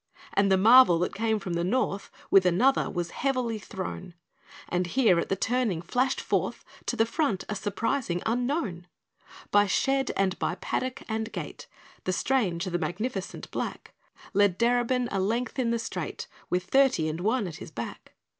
And the marvel that came from the North, With another, was heavily thrown; And here at the turning flashed forth To the front a surprising unknown; By shed and by paddock and gate The strange, the magnificent black, Led Darebin a length in the straight, With thirty and one at his back.